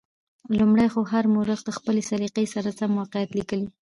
لومړی خو هر مورخ د خپلې سلیقې سره سم واقعات لیکلي.